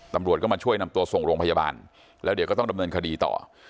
ตำรวจก็มาช่วยนำตัวส่งโรงพยาบาลแล้วเดี๋ยวก็ต้องดำเนินคดีต่อ